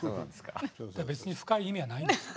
別に深い意味はないんです。